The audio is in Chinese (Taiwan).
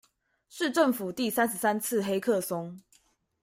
是政府第三十三次黑客松